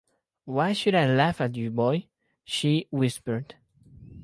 "Why should I laugh at you, boy?", she whispered.